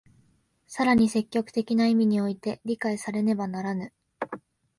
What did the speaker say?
更に積極的な意味において理解されねばならぬ。